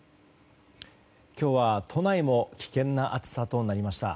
今日は都内も危険な暑さとなりました。